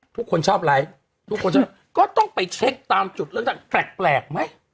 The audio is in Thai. ทุกคนชอบอะไรก็ต้องไปเช็คตามจุดเรื่องจากแปลกไหม